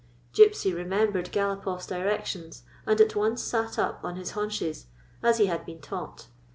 Gypsy remembered Galopoff's directions, and at once sat up on his haunches as he had been taught.